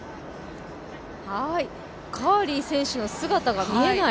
カーリー選手の姿が見えない。